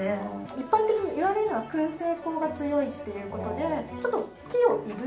一般的に言われるのは燻製香が強いっていう事でちょっと木をいぶしたような。